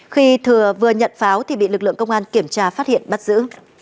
khi thừa vừa nhận pháo thì bị lực lượng công an kiểm tra phát hiện bắt giữ